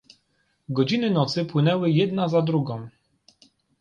"Godziny nocy płynęły jedna za drugą."